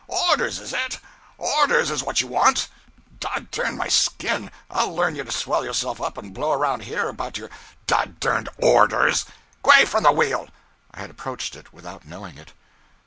orders_, is it? _Orders _is what you want! Dod dern my skin, i'll learn you to swell yourself up and blow around here about your dod derned orders! G'way from the wheel!' (I had approached it without knowing it.)